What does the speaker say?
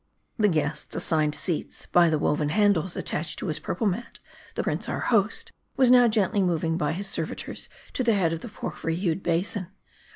The guests assigned seats, by the woven handles attached to his purple mat, the prince, our host, was now gently moved by his servitors to, the head of ' the porphyry hued ba&in.